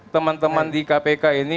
teman teman di kpk ini